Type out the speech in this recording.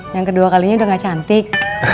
yang kedua kalinya udah gak cantik